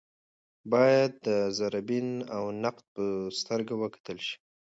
باید د ذره بین او نقد په سترګه وکتل شي